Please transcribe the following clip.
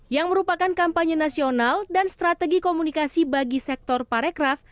yang merupakan kampanye nasional dan strategi komunikasi bagi sektor parekraf